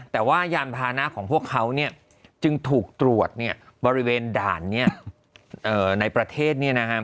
แต่ว่ายานพาณะของพวกเขาจึงถูกตรวจบริเวณด่านในประเทศ